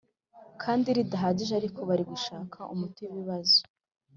kandi ridahagije, ariko bari gushaka umuti w’ikibazo